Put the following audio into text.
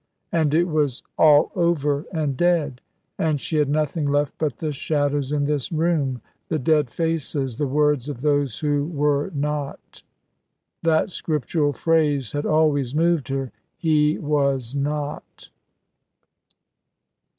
And it was all over and dead, and she had nothing left but the shadows in this room, the dead faces, the words of those who were not. That scriptural phrase had always moved her. "He was not."